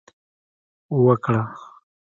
وکړه